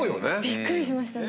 びっくりしました。